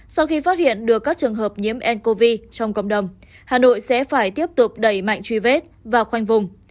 sau khi phát hiện được các trường hợp nhiễm ncov trong cộng đồng hà nội sẽ phải tiếp tục đẩy mạnh truy vết và khoanh vùng